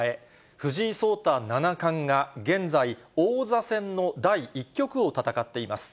藤井聡太七冠が、現在、王座戦の第１局を戦っています。